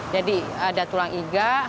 jadi ada tulang iga